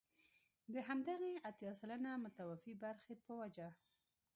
د همدغې اتيا سلنه متوفي برخې په وجه.